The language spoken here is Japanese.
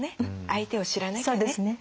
相手を知らなきゃね。